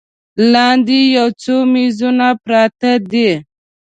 لاندې یو څو میزونه پراته دي.